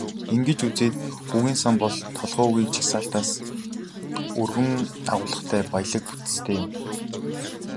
Ингэж үзэхэд, үгийн сан бол толгой үгийн жагсаалтаас өргөн агуулгатай, баялаг бүтэцтэй юм.